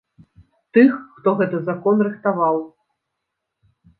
Тых, хто гэты закон рыхтаваў.